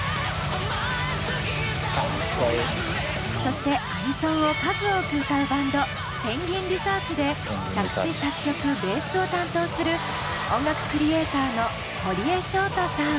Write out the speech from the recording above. そしてアニソンを数多く歌うバンドＰＥＮＧＵＩＮＲＥＳＥＡＲＣＨで作詞作曲ベースを担当する音楽クリエイターの堀江晶太さん。